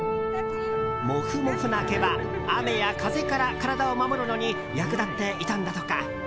モフモフな毛は雨や風から体を守るのに役立っていたのだとか。